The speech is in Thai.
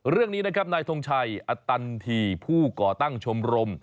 เรื่องนี้นะครับนายทงชัยอัตตันทีผู้ก่อตั้งชมรม